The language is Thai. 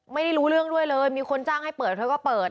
ไม่ได้รู้เรื่องด้วยเลยมีคนจ้างให้เปิดเธอก็เปิด